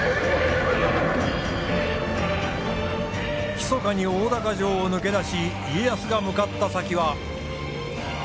ひそかに大高城を抜け出し家康が向かった先は。